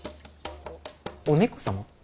お猫様？